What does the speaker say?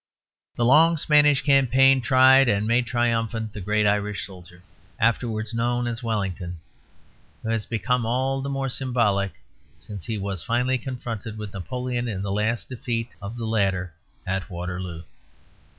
The long Spanish campaign tried and made triumphant the great Irish soldier, afterwards known as Wellington; who has become all the more symbolic since he was finally confronted with Napoleon in the last defeat of the latter at Waterloo.